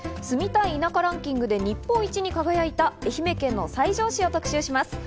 住みたい田舎ランキングで日本一に輝いた愛媛県の西条市を特集します。